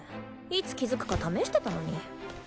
いつ気づくか試してたのに。